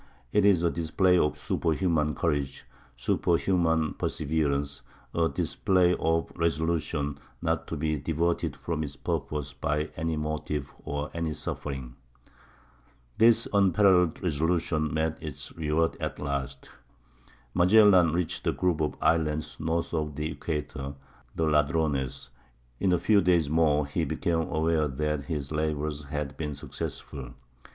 It is a display of superhuman courage, superhuman perseverance—a display of resolution not to be diverted from its purpose by any motive or any suffering.... This unparalleled resolution met its reward at last. Magellan reached a group of islands north of the equator—the Ladrones. In a few days more he became aware that his labors had been successful.